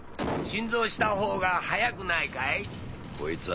新造したほうが早くないかい？